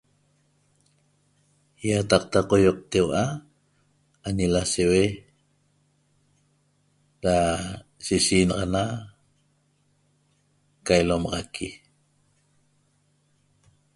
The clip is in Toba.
Iataqta qoioqteua'a añi lasheue ra sishenaxana ca ilomaxaqui